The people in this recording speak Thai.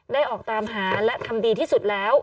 ออกตามหาและทำดีที่สุดแล้ว